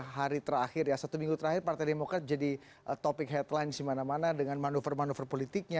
hari terakhir ya satu minggu terakhir partai demokrat jadi topik headline di mana mana dengan manuver manuver politiknya